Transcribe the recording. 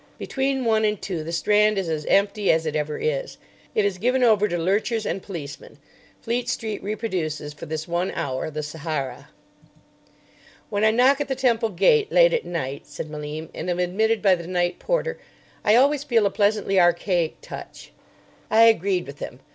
Between one and two the Strand is as empty as it ever is. It is given over to lurchers and policemen. Fleet Street reproduces for this one hour the Sahara. "When I knock at the Temple gate late at night," said Malim, "and am admitted by the night porter, I always feel a pleasantly archaic touch." I agreed with him.